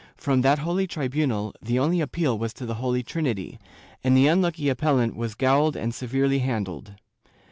288 JEWS [Book VIII that holy tribunal the only appeal was to the Holy Trinity, and the unlucky appellant was gaoled and severely handled.